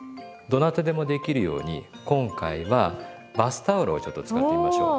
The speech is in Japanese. どなたでもできるように今回はバスタオルをちょっと使ってみましょう。